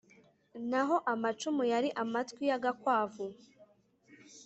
naho amacumu yari amatwi y'agakwavu.